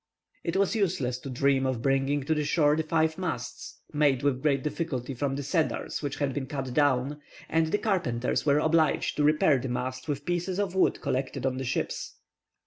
It was useless to dream of bringing to the shore the five masts, made with great difficulty from the cedars which had been cut down, and the carpenters were obliged to repair the mast with pieces of wood collected on the ships.